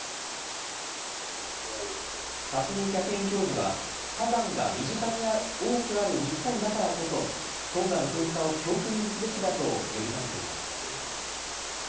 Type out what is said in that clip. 巽客員教授は、火山が身近に多くある日本だからこそ、トンガの噴火を教訓にすべきだと呼びかけています。